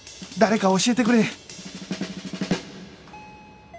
誰か教えてくれ！